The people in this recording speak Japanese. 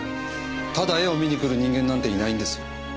ただ絵を見に来る人間なんていないんですよ。